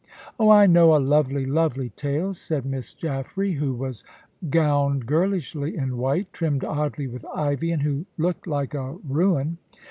"Oh, I know a lovely, lovely tale," said Miss Jaffray, who was gowned girlishly in white, trimmed oddly with ivy, and who looked like a ruin.